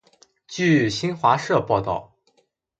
据新华社报道